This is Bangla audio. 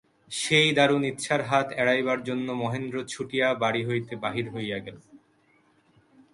সেই দারুণ ইচ্ছার হাত এড়াইবার জন্য মহেন্দ্র ছুটিয়া বাড়ি হইতে বাহির হইয়া গেল।